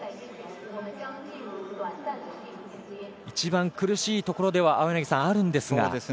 一番苦しいところでは青柳さん、あるんですが。